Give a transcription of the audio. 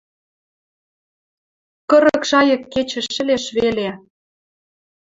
Кырык шайык кечӹ шӹлеш веле